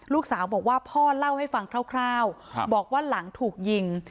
ลูกสาวบอกว่าพ่อเล่าให้ฟังคร่าวบอกว่าหลังถูกยิง